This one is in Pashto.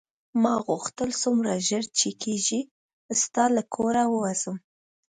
ما غوښتل څومره ژر چې کېږي ستا له کوره ووځم.